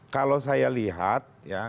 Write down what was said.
kalau saya lihat ya